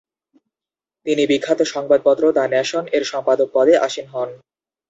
তিনি বিখ্যাত সংবাদপত্র দ্য নেশন-এর সম্পাদক পদে আসীন হন।